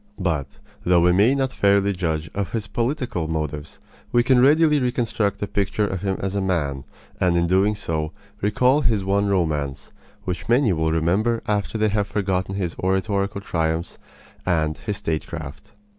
But, though we may not fairly judge of his political motives, we can readily reconstruct a picture of him as a man, and in doing so recall his one romance, which many will remember after they have forgotten his oratorical triumphs and his statecraft.